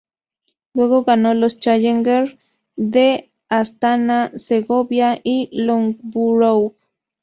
Luego ganó los challenger de Astana, Segovia y Loughborough.